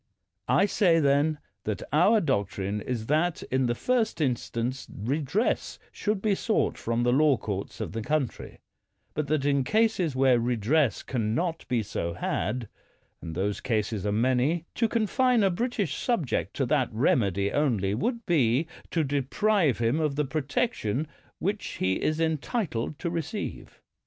I say, then, that our doctrine is that in the first instance redress should be sought from the law oourts of the country; but that in cases where redress can not be so had — and those cases are many — to confine a British subject to that remedy only would be to deprive him of the protection which he is entitled to receive.